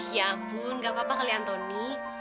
ya ampun gak apa apa kali antoni